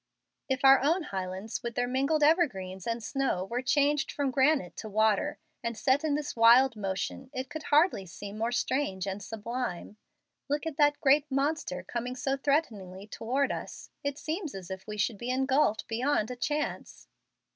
If our own Highlands with their mingled evergreens and snow were changed from granite to water, and set in this wild motion, it could hardly seem more strange and sublime. Look at that great monster coming so threateningly toward us. It seems as if we should be engulfed beyond a chance."